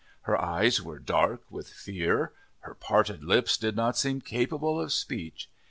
Her eyes were dark with fear; her parted lips did not seem capable of speech.